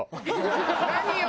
何よ！